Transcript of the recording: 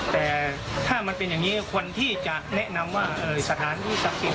แต่ถ้ามันเป็นอย่างนี้ควรที่จะแนะนำว่าสถานที่ศักดิ์สิทธิ